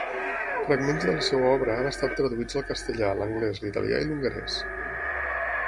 Fragments de la seva obra han estat traduïts al castellà, l'anglès, l'italià i l'hongarès.